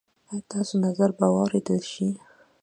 ایا ستاسو نظر به واوریدل شي؟